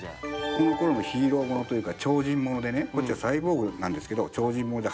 この頃のヒーローものというか超人ものでねこっちはサイボーグなんですけど超人もので流行った。